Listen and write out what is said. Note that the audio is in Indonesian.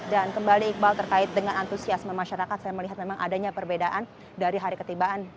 dan kembali iqbal terkait dengan antusiasme masyarakat saya melihat memang adanya perbedaan dari hari ketibaan